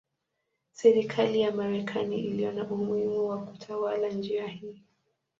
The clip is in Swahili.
Serikali ya Marekani iliona umuhimu wa kutawala njia hii.